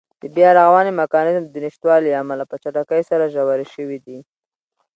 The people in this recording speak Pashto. د بیا رغونې میکانېزم د نشتوالي له امله په چټکۍ سره ژورې شوې دي.